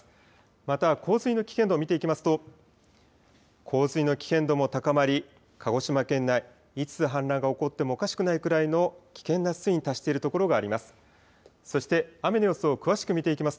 また洪水の危険度を見ていきますと洪水の危険度も高まり、鹿児島県内いつ氾濫が起こってもおかしくないくらいの危険な水位に達しているところがあります。